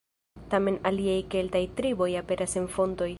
Tamen aliaj keltaj triboj aperas en fontoj.